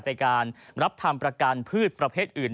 ในการรับทำประกันพืชประเภทอื่น